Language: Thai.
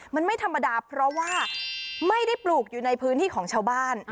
มันไม่ธรรมดาเพราะว่าไม่ได้ปลูกอยู่ในพื้นที่ของชาวบ้าน